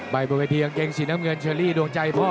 บนเวทีกางเกงสีน้ำเงินเชอรี่ดวงใจพ่อ